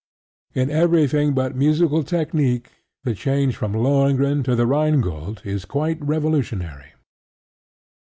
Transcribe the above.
In everything but musical technique the change from Lohengrin to The Rhine Gold is quite revolutionary.